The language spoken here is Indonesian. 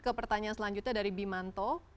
ke pertanyaan selanjutnya dari bimanto